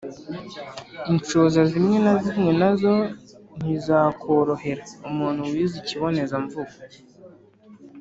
Inshoza zimwe na zimwe na zo ntizakorohera umuntu wize ikibonezamvugo.